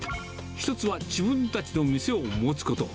１つは自分たちの店を持つこと。